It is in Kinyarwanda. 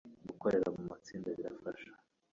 Gukorera mu matsinda birafasha